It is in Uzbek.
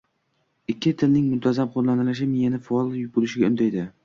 Ikki tilning muntazam qoʻllanilishi miyani faol boʻlishga undaydi.